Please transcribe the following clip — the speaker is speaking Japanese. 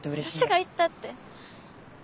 私が行ったって。